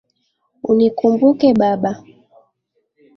Unikumbuke baba